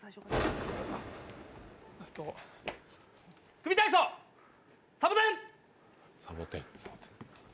組体操サボテン！